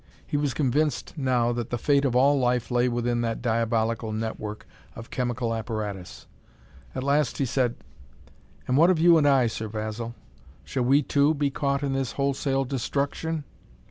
He was convinced now that the fate of all life lay within that diabolical network of chemical apparatus. At last he said: "And what of you and I, Sir Basil? Shall we, too, be caught in this wholesale destruction?"